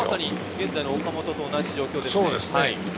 現在の岡本と同じ状況ですね。